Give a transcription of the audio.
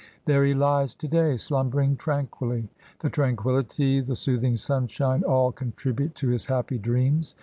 There he lies to day slumbering tranquilly; the tranquillity, the soothing sunshine, all contribute to his happy dreams.